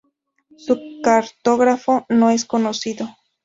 Su cartógrafo no es conocido.